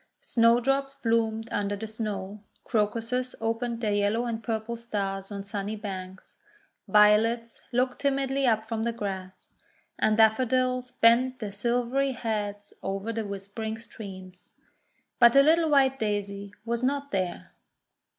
Snowdrops bloomed under the Snow, Crocuses opened their yellow and purple stars on sunny banks, Violets looked timidly up from the grass, and Daffodils bent their silvery heads over the whispering streams. But the little white Daisy was not there.